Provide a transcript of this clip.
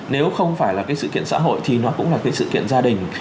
nếu không phải là cái sự kiện xã hội thì nó cũng là cái sự kiện gia đình